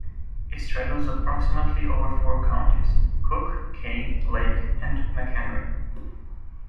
It straddles approximately over four counties, Cook, Kane, Lake, and McHenry.